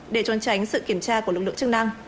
để trôn tránh sự kiểm tra của lực lượng chức năng